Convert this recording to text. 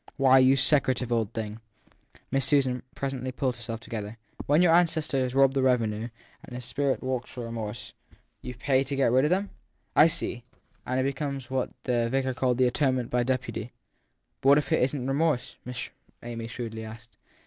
Why, you secretive old thing ! Miss Susan presently pulled herself more together. When your ancestor has robbed the revenue and his spirit walks for remorse 1 You pay to get rid of him ? I see and it becomes what the vicar called his atonement by deputy. But what if it isn t remorse ? Miss Amy shrewdly asked.